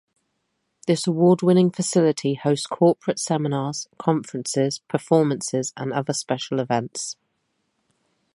This award-winning facility hosts corporate seminars, conferences, performances and other special events.